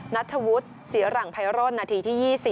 นัทธวุฒิเสียหลังไพร่นนาทีที่๒๐